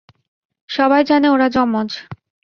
সবাই জানে ওরা জমজ।